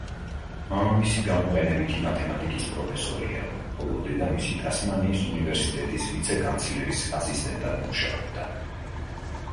მამამისი გამოყენებითი მათემატიკის პროფესორია, ხოლო დედამისი ტასმანიის უნივერსიტეტის ვიცე-კანცლერის ასისტენტად მუშაობდა.